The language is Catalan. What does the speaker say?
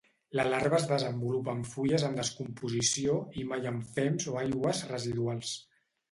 La larva es desenvolupa en fulles en descomposició i mai en fems o aigües residuals.